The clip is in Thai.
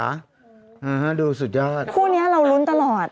ดูสุดยอดคู่นี้เรารุ้นตลอด